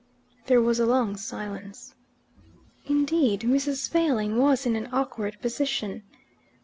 There was a long silence. Indeed, Mrs. Failing was in an awkward position.